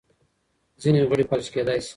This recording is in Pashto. ځینې غړي فلج کېدای شي.